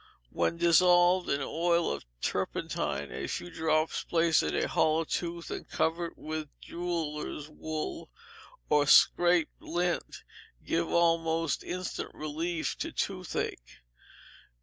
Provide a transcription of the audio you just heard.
When dissolved in oil of turpentine, a few drops placed in a hollow tooth and covered with jeweller's wool, or scraped lint, give almost instant relief to toothache.